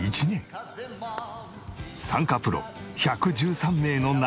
参加プロ１１３名の中。